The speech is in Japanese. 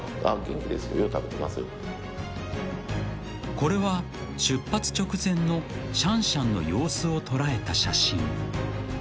［これは出発直前のシャンシャンの様子を捉えた写真］